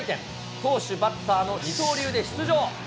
投手、バッターの二刀流で出場。